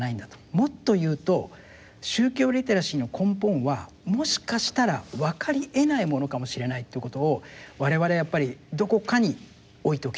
もっと言うと宗教リテラシーの根本はもしかしたらわかりえないものかもしれないっていうことを我々はやっぱりどこかに置いておきたい。